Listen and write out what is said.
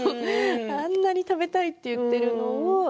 あんなに食べたいって言っているのを。